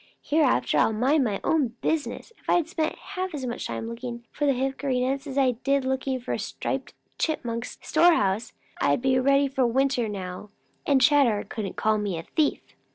Hereafter I'll mind my own business. If I had spent half as much time looking for hickory nuts as I did looking for Striped Chipmunk's storehouse, I would be ready for winter now, and Chatterer couldn't call me a thief."